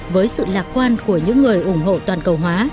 với sự lạc quan của những người ủng hộ toàn cầu hóa